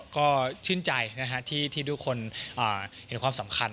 ก็ชื่นใจที่ทุกคนเห็นความสำคัญ